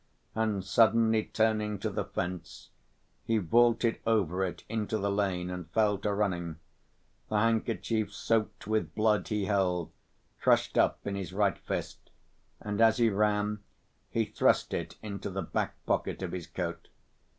And suddenly turning to the fence, he vaulted over it into the lane and fell to running—the handkerchief soaked with blood he held, crushed up in his right fist, and as he ran he thrust it into the back pocket of his coat.